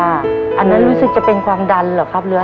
อันนั้นรู้สึกจะเป็นความดันเหรอครับเหลือ